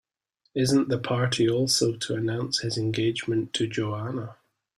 Isn't the party also to announce his engagement to Joanna?